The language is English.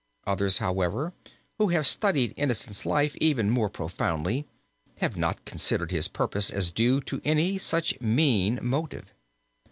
Others, however, who have studied Innocent's life even more profoundly, have not considered his purpose as due to any such mean motive.